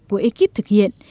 của ekip thực hiện